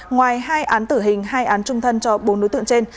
ngoài hai án tử hình hai án trung thân cho bốn đối tượng trên